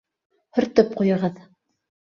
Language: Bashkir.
Һөртөп ҡуйығыҙ.